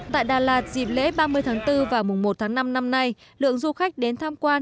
tại đà lạt dịp lễ ba mươi tháng bốn và mùng một tháng năm năm nay lượng du khách đến tham quan